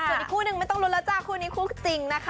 ส่วนอีกคู่หนึ่งไม่ต้องลุ้นแล้วจ้าคู่นี้คู่จริงนะคะ